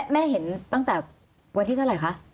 เห็นตั้งแต่วันที่เท่าไหร่คะ